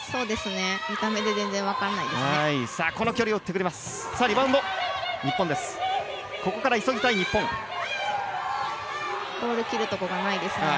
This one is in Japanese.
見た目で全然、分からないですね。